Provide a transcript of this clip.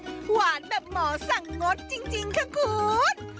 หวานแบบหมอสั่งงดจริงค่ะคุณ